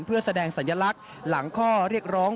เพื่อแสดงสัญลักษณ์หลังข้อเรียกร้อง